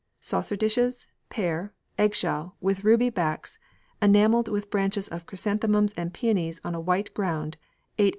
Saucer dishes, pair, eggshell, with ruby backs, enamelled with branches of chrysanthemums and peonies on a white ground, 8 in.